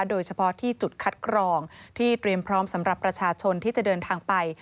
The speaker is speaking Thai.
โดยเฉพาะที่จุดคัดกรองที่เตรียมพร้อมสำหรับประชาชนที่จะเดินทางไป